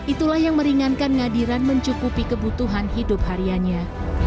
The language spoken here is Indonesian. itulah yang meringankan ngadiran mencukupi kebutuhan hidup harianya